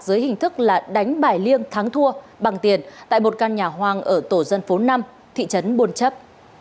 dưới hình thức là đánh bài liêng thắng thua bằng tiền tại một căn nhà hoang ở tổ dân phố năm thị trấn buôn chấp